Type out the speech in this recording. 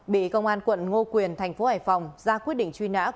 bị công an quận ngô quyền thành phố hải phòng ra quyết định chuyên án